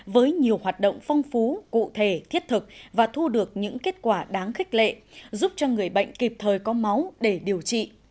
với nhiều hoạt động phong phú cụ thể thiết thực và thu được những kết quả đáng khích lệ giúp cho người bệnh kịp thời có máu để điều trị